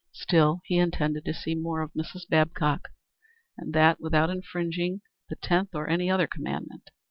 Still he intended to see more of Mrs. Babcock, and that without infringing the tenth or any other commandment.